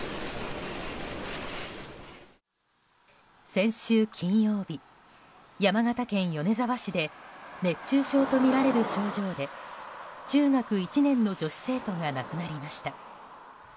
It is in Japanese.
先週金曜日、山形県米沢市で熱中症とみられる症状で中学１年の女子生徒が亡くなりました。